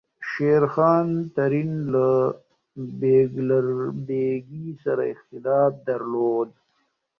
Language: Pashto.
شېرخان ترین له بیګلربیګي سره اختلاف درلود.